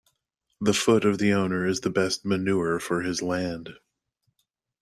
The foot of the owner is the best manure for his land.